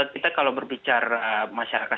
kita kalau berbicara masyarakat